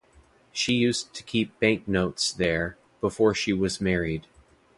She used to keep bank-notes there, before she was married.